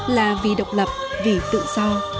là vì độc lập vì tự do